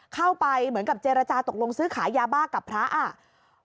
เข้าไปเหมือนกับเจรจาตกลงซื้อขายยาบ้ากับพระอ่ะ